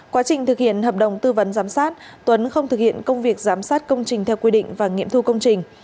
quá trình thực hiện hợp đồng tư vấn giám sát tuấn không thực hiện công việc giám sát công trình theo quy định và nghiệm thu công trình